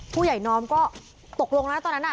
ผู้ใหญ่นอมก็ตกลงแล้วตอนนั้นน่ะ